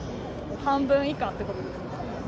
半分以下ってことですよね。